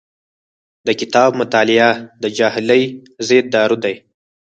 د کتاب مطالعه د جاهلۍ ضد دارو دی.